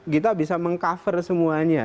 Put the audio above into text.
kita bisa meng cover semuanya